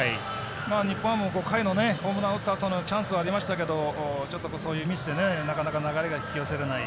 日本ハムも５回のホームラン打ったあとのチャンスもありましたけどミスでなかなか流れが引き寄せられない。